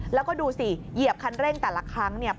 แล้วก็ดูสิเหยียบคันเร่งแต่ละครั้งเนี่ย